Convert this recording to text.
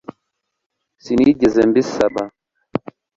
Sinigeze mbisaba